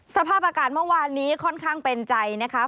สภาพอากาศเมื่อวานนี้ค่อนข้างเป็นใจนะคะ